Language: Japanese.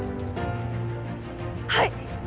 はい！